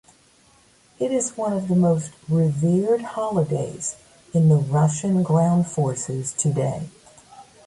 It is one of the most revered holidays in the Russian Ground Forces today.